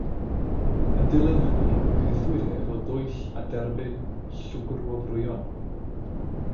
Yn dilyn hynny cyhuddwyd ef o dwyll a derbyn llwgrwobrwyon.